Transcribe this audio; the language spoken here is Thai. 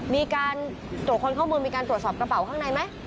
มีการตรวจคนเข้าเมืองมีการตรวจสอบกระเป๋าข้างในไหม